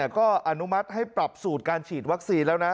ก็อนุมัติให้ปรับสูตรการฉีดวัคซีนแล้วนะ